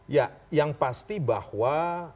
ya yang pasti bahwa